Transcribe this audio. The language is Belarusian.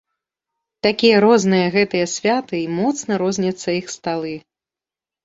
Такія розныя гэтыя святы, і моцна розняцца іх сталы.